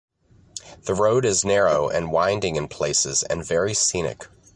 The road is narrow and winding in places and very scenic.